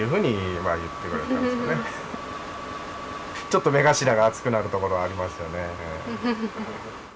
ちょっと目頭が熱くなるところがありましたね。